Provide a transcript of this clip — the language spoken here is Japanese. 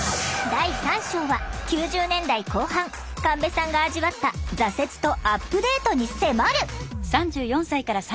第３章は９０年代後半神戸さんが味わった挫折とアップデートに迫る！